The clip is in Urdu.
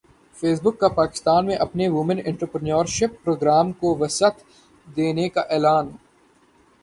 فیس بک کا پاکستان میں اپنے وومن انٹرپرینیورشپ پروگرام کو وسعت دینے کا اعلان